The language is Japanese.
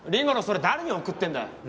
それ誰に送ってんだよ。